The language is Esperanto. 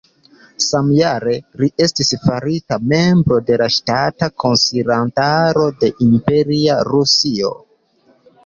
Samjare, li estis farita membro de la Ŝtata Konsilantaro de Imperia Rusio.